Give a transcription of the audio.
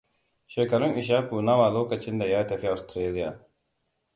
Shekarun Ishaku nawa lokacin da ya tafi Austarlia?